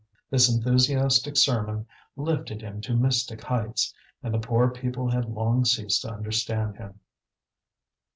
This enthusiastic sermon lifted him to mystic heights, and the poor people had long ceased to understand him.